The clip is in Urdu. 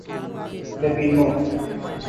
فلیپینو